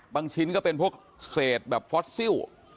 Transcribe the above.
ชิ้นก็เป็นพวกเศษแบบฟอสซิล